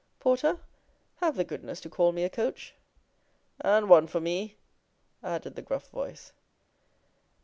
Porter, have the goodness to call me a coach.' 'And one for me,' added the gruff voice.